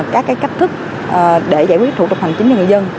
các cái cách thức để giải quyết thủ tục hành chính của người dân